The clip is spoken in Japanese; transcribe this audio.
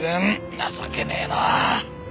情けねえなあ。